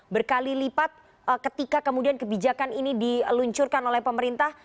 berkali lipat ketika kemudian kebijakan ini diluncurkan oleh pemerintah